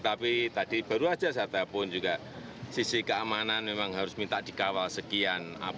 tapi tadi baru saja saya telepon juga sisi keamanan memang harus minta dikawal sekian